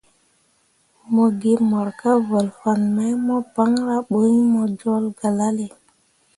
Mo gi mor kah vǝl fan mai mo banra bo iŋ mo jol galale.